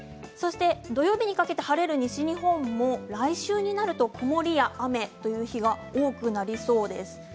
土曜日にかけて晴れる西日本も来週になると曇りや雨という日が多くなりそうです。